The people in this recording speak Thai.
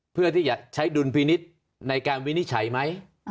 เพื่อที่จะใช้ดุลพินิษฐ์ในการวินิจฉัยไหม